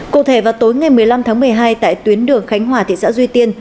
cụ thể vào tối ngày một mươi năm tháng một mươi hai tại tuyến đường khánh hòa thị xã duy tiên